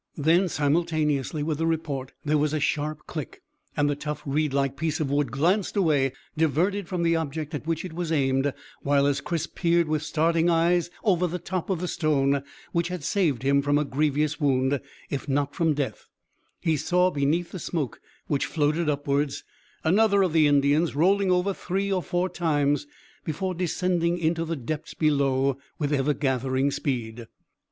Then simultaneously with the report there was a sharp click, and the tough reed like piece of wood glanced away, diverted from the object at which it was aimed, while as Chris peered with starting eyes over the top of the stone which had saved him from a grievous wound, if not from death, he saw beneath the smoke which floated upwards another of the Indians rolling over three or four times before descending into the depths below with ever gathering speed.